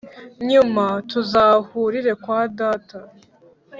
nyuma! tuzahurire kwa data